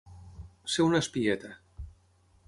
Ser un espieta.